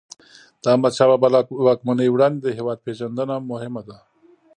د احمدشاه بابا له واکمنۍ وړاندې د هیواد پېژندنه مهم ده.